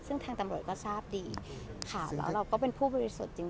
ซึ่งทางตำรวจก็ทราบดีค่ะแล้วเราก็เป็นผู้บริสุทธิ์จริง